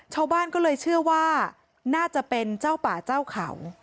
ชาวบ้านก็เลยเชื่อว่าน่าจะเป็นเจ้าป่าเจ้าเขา